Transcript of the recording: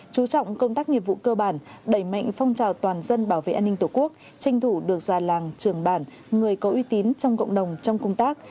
chú trọng công tác nghiệp vụ cơ bản đẩy mạnh phong trào toàn dân bảo vệ an ninh tổ quốc tranh thủ được già làng trường bản người có uy tín trong cộng đồng trong công tác